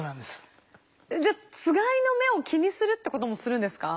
じゃあつがいの目を気にするってこともするんですか？